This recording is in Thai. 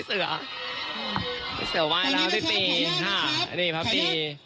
เสือว่ายร้านพี่พี่พระอพตี